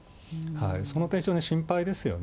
その点、非常に心配ですよね。